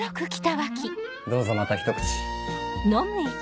どうぞまた一口。